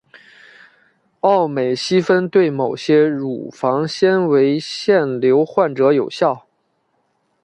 奥美昔芬对某些乳房纤维腺瘤患者有效。